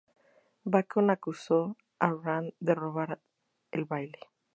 Bacon acusó a Rand de robar el baile.